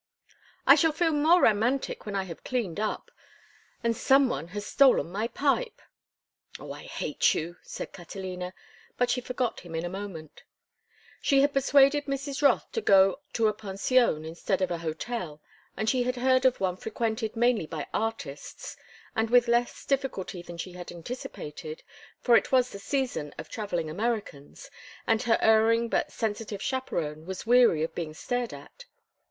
"I shall feel more romantic when I have cleaned up—and some one has stolen my pipe." "Oh, I hate you!" said Catalina, but she forgot him in a moment. She had persuaded Mrs. Rothe to go to a pension instead of a hotel—she had heard of one frequented mainly by artists—and with less difficulty than she had anticipated, for it was the season of travelling Americans, and her erring but sensitive chaperon was weary of being stared at.